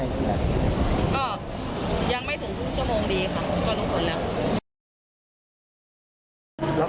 ก็ยังไม่ถึงครึ่งชั่วโมงดีค่ะก็รู้ผลแล้ว